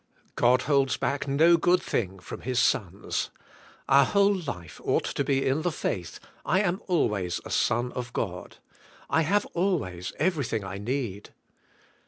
God holds back no g ood thing from His sons. Our whole life ought to be in the faith, I am always a son of God. I have alv/ays everything I need.